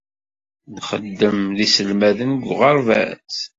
Nxeddem d iselmaden deg uɣerbaz.